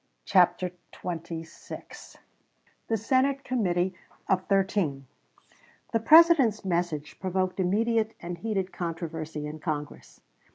CHAPTER XXVI THE SENATE COMMITTEE OF THIRTEEN The President's message provoked immediate and heated controversy in Congress.